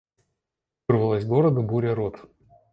Вырвалась городу буря рот.